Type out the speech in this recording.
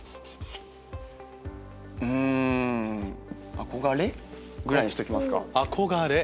「憧れ？」ぐらいにしときますか。